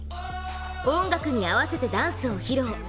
音楽に合わせてダンスを披露。